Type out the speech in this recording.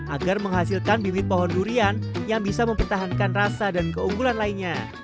agar menghasilkan bibit pohon durian yang bisa mempertahankan rasa dan keunggulan lainnya